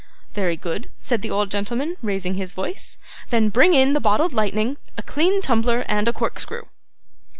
'Very good,' said the old gentleman, raising his voice, 'then bring in the bottled lightning, a clean tumbler, and a corkscrew.